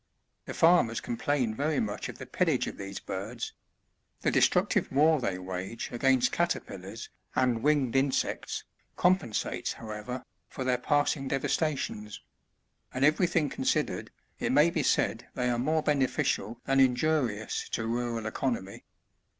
The farmers complain very much of the pillage of these birds ; the destructive war thev wage against caterpillars, and winged insects, com[^nsates, however, for their passing devastations ; and every thing considered, it may be said they are more beneficial than injurious to rural economy.